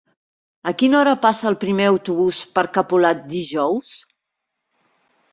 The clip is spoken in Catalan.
A quina hora passa el primer autobús per Capolat dijous?